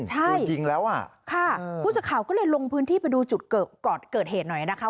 ตัวจริงแล้วอ่ะค่ะผู้สื่อข่าวก็เลยลงพื้นที่ไปดูจุดเกิดเหตุหน่อยนะคะ